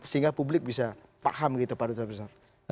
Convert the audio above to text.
sehingga publik bisa paham gitu pak duta besar